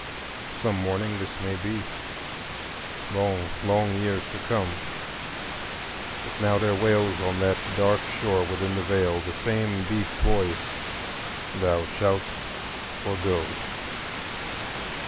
Some morning this may be, long, long years to come. But now there wails, on that dark shore within the Veil, the same deep voice, _Thou shalt forego!